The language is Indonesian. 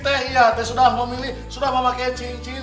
teh iya sudah memilih sudah memakai cincin